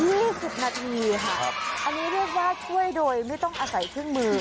อีกสิบนาทีค่ะอันนี้เรียกว่าช่วยโดยไม่ต้องอาศัยที่มือ